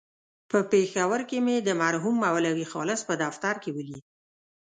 په پېښور کې مې د مرحوم مولوي خالص په دفتر کې ولید.